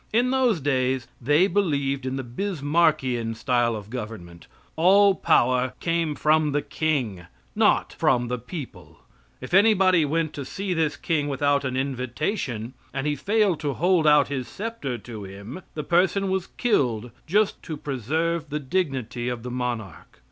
In those days they believed in the Bismarkian style of government all power came from the king, not from the people; if anybody went to see this king without an invitation, and he failed to hold out his sceptre to him, the person was killed just to preserve the dignity of the monarch.